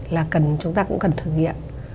là cần chúng ta cũng cần thực nghiệm